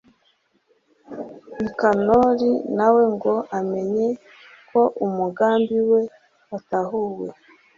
nikanori na we ngo amenye ko umugambi we watahuwe